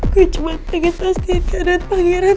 gue cuma pengen pastiin dia ada pangeran